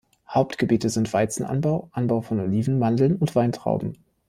Hauptgebiete sind Weizenanbau, Anbau von Oliven, Mandeln und Weintrauben.